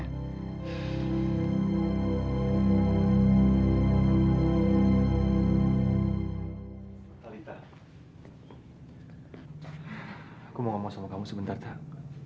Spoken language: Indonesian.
aku mau ngomong sama kamu sebentar tak